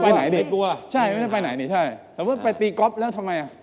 ไม่ได้ไปไหนเลย